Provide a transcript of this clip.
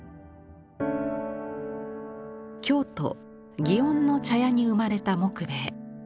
京都・祇園の茶屋に生まれた木米。